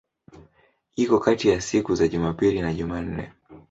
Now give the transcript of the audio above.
Iko kati ya siku za Jumapili na Jumanne.